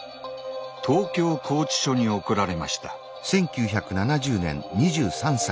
東京拘置所に送られました。